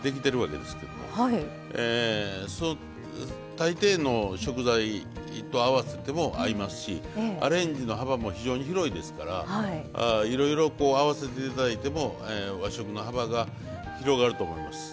大抵の食材と合わせても合いますしアレンジの幅も非常に広いですからいろいろ合わせていただいても和食の幅が広がると思います。